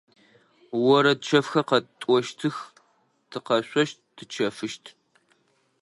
Орэд чэфхэр къэтӏощтых, тыкъэшъощт, тычэфыщт.